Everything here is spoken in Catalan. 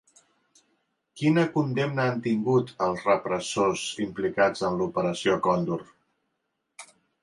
Quina condemna han tingut els repressors implicats en l'Operació Còndor?